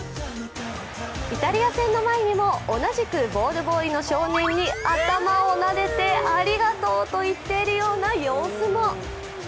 イタリア戦の前にも同じくボールボーイの少年に頭をなでてありがとうと言っているような様子も。